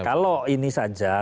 kalau ini saja